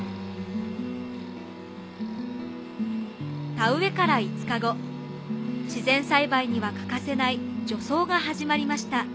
田植えから５日後自然栽培には欠かせない除草が始まりました。